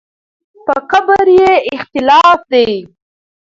په قبر یې اختلاف دی.